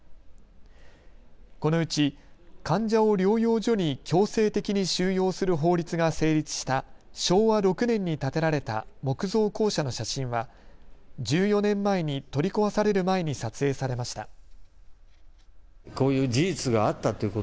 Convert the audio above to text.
このうち患者を療養所に強制的に収容する法律が成立した昭和６年に建てられた木造校舎の写真は１４年前に取り壊される前に撮影されました。